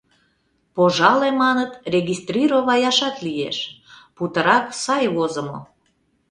Пожале, маныт, регистрироваяшат лиеш, путырак сай возымо.